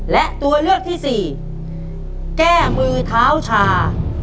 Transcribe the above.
และตัวเลือกที่สี่แก้มือเท้าชา